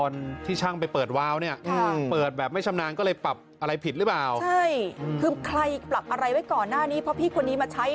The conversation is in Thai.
นี่น่าจะไม่ชำนาญนะคนที่เขาถ่ายคลิปไว้นี่